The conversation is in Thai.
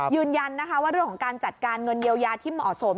ยืนยันนะคะว่าเรื่องของการจัดการเงินเยียวยาที่เหมาะสม